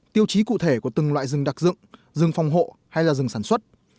tiêu chí cụ thể của từng loại rừng đặc dụng rừng phòng hộ hay là rừng sản xuất